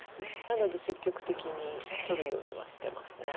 なので積極的にとるようにはしてますね。